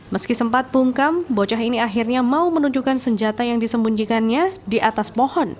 meski sempat bungkam bocah ini akhirnya mau menunjukkan senjata yang disembunyikannya di atas pohon